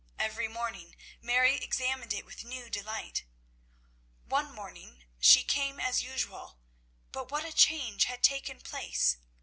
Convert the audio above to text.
Every morning Mary examined it with new delight. One morning she came as usual, but what a change had taken place!